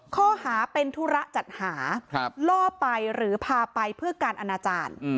ข้อหาเป็นธุระจัดหาล่อไปหรือพาไปเพื่อการอนาจารย์